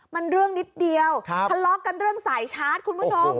มันเรื่องนิดเดียวทะเลาะกันเรื่องสายชาร์จคุณผู้ชม